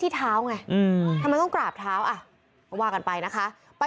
ทำไมต้องกราบเท้าอ่ะว่ากันไปนะคะ